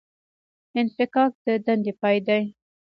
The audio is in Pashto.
انفکاک د دندې پای دی